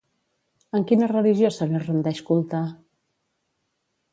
En quina religió se li rendeix culte?